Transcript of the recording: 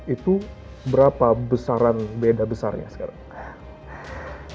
itu berapa besaran beda besarnya sekarang